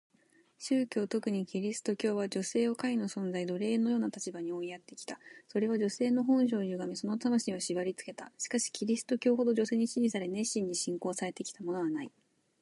宗教、特にキリスト教は、女性を下位の存在、奴隷のような立場に追いやってきた。それは女性の本性を歪め、その魂を縛りつけた。しかしキリスト教ほど女性に支持され、熱心に信仰されてきたものはない。